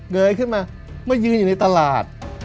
ยขึ้นมามายืนอยู่ในตลาด